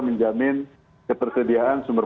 menjamin ketersediaan sumber